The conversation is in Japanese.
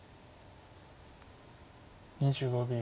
２５秒。